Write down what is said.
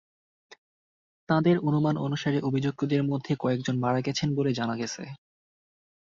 তাদের অনুমান অনুসারে অভিযুক্তদের মধ্যে কয়েকজন মারা গেছেন বলে জানা গেছে।